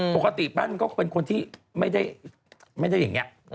ปกติปั้นก็เป็นคนที่ไม่ได้อย่างนี้